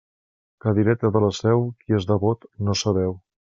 Cadireta de la Seu, qui és devot no sabeu.